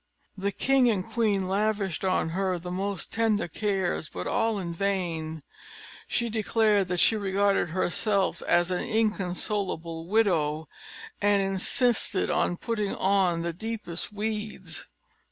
The king and queen lavished on her the most tender cares, but all in vain: she declared that she regarded herself as an inconsolable widow, and insisted upon putting on the deepest weeds.